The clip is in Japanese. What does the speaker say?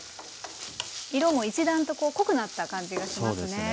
色も一段とこう濃くなった感じがしますね。